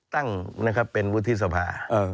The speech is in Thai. ตั้งเป็นวุฒิสภา